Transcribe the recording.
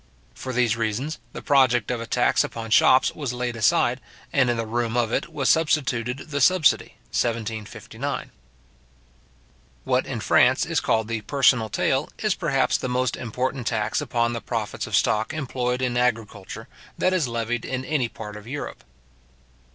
For these reasons, the project of a tax upon shops was laid aside, and in the room of it was substituted the subsidy, 1759. What in France is called the personal taille, is perhaps, the most important tax upon the profits of stock employed in agriculture, that is levied in any part of Europe.